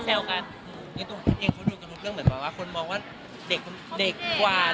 ไม่ได้ไม่ได้ไม่ได้